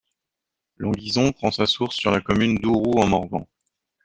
L'Anguison prend sa source sur la commune d'Ouroux-en-Morvan.